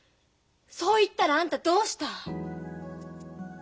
そう言ったらあんたどうした？